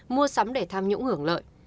mua sắm để tham nhũng hưởng lợi